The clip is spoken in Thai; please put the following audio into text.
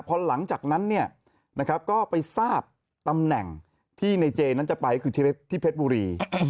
พอหลังจากนั้นก็ไปทราบตำแหน่งที่ในเจนั้นจะไปคือที่เพชรบุรี